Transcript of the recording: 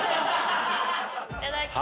いただきまーす。